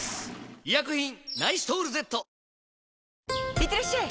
いってらっしゃい！